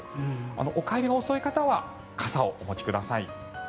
お帰りが遅い方は傘をお持ちください。